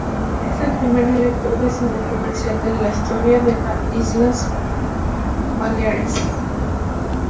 Es el primer director de cine comercial de la historia de las Islas Baleares.